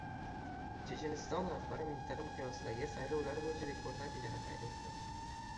Checheniston rahbari mintaqa miqyosidagi saylovlar bo‘yicha rekord natijani qayd etdi